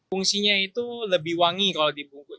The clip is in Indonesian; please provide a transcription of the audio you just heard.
fungsinya itu lebih wangi kalau dibungkus